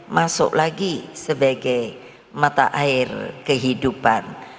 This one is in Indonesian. masuk lagi sebagai mata air kehidupan